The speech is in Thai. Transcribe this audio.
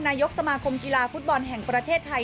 นายกสมาคมกีฬาฟุตบอลแห่งประเทศไทย